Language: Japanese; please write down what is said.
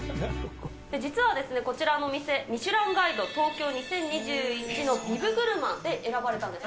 実はこちらのお店、ミシュランガイド東京２０２１のビブグルマンで選ばれたんです。